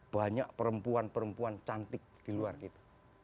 banyak perempuan perempuan cantik di luar kita